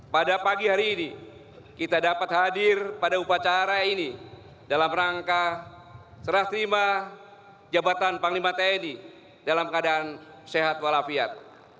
pada pagi hari ini kita dapat hadir pada upacara ini dalam rangka serah terima jabatan panglima tni dalam keadaan sehat walafiat